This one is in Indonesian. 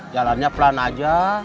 jalannya pelan aja